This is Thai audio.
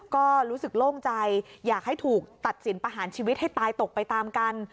ก็รู้สึกโล่งใจอยากให้ถูกตัดสินประหารชีวิตให้ตายตกไปตามกัน